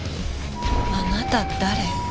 あなた誰？